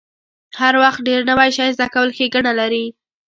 هر وخت ډیر نوی شی زده کول ښېګڼه لري.